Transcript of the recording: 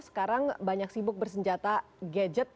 sekarang banyak sibuk bersenjata gadget